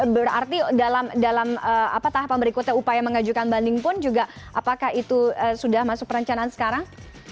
berarti dalam tahapan berikutnya upaya mengajukan banding pun juga apakah itu sudah masuk perencanaan sekarang